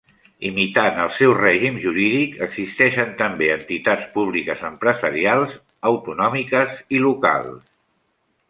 Imitant el seu règim jurídic, existeixen també entitats públiques empresarials autonòmiques i locals.